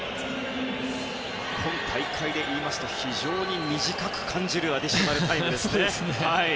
今大会でいうと非常に短く感じるアディショナルタイムですね。